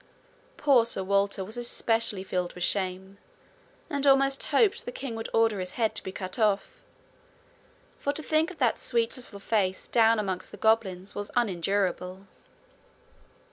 Poor Sir Walter was especially filled with shame, and almost hoped the king would order his head to be cut off, for to think of that sweet little face down amongst the goblins was unendurable.